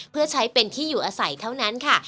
เพื่อใช้เป็นที่อยู่อาศัยเท่านั้นค่ะ